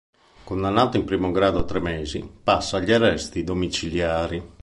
Condannato in primo grado a tre mesi, passa agli arresti domiciliari.